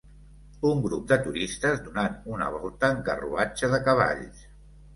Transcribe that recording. Un grup de turistes donant una volta en carruatge de cavalls